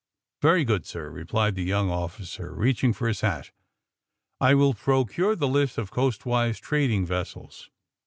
'' *'Very good, sir," replied the young officer, reaching for his hat. ^'I will procure the list of coastwise trading vessels.